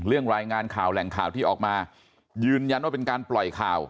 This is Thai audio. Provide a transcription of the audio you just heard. รายงานข่าวแหล่งข่าวที่ออกมายืนยันว่าเป็นการปล่อยข่าว